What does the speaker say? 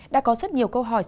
đã có rất nhiều câu hỏi